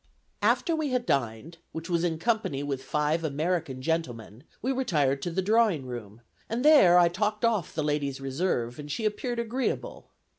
"After we had dined, which was in company with five American gentlemen, we retired to the drawing room, and there I talked off the lady's reserve, and she appeared agreeable.